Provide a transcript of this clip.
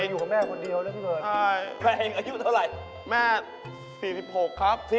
อยู่กับแม่คนเดียวด้วยเถิดเถิดแม่อายุเท่าไร